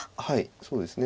そうですね。